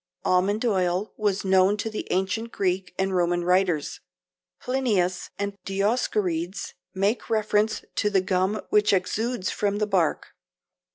Almond oil was known to the ancient Greek and Roman writers. Plinius and Dioscorides make reference to the gum which exudes from the bark.